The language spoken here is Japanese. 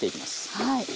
はい。